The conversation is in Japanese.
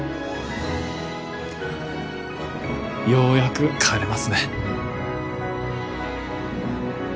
ようやく帰れますね。